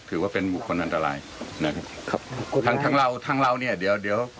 ถือว่าเป็นบุคคลอันตรายนะครับครับทั้งทั้งเราทั้งเราเนี่ยเดี๋ยวเดี๋ยว